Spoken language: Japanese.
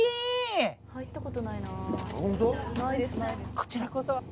こちらこそ。